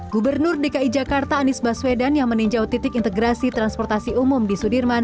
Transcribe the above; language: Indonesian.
gubernur dki jakarta anies baswedan yang meninjau titik integrasi transportasi umum di sudirman